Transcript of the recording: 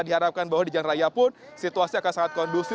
diharapkan bahwa di jalan raya pun situasi akan sangat kondusif